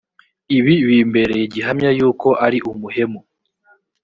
ibi bimbereye gihamya yuko ari umuhemu